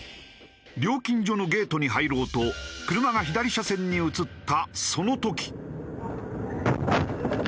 料金所のゲートに入ろうと車が左車線に移ったその時。